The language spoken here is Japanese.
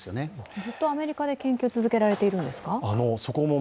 ずっとアメリカで研究を続けておられるんですか？